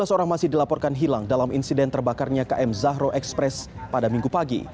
tiga belas orang masih dilaporkan hilang dalam insiden terbakarnya km zahro express pada minggu pagi